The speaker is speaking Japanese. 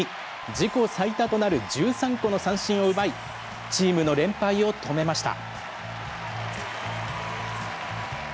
自己最多となる１３個の三振を奪い、チームの連敗を止めました。